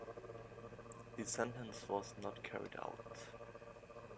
The sentence was not carried out.